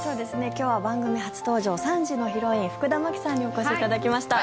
今日は番組初登場３時のヒロイン、福田麻貴さんにお越しいただきました。